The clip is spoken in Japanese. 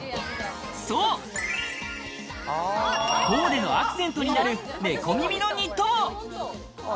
そう、コーデのアクセントになる猫耳のニット帽。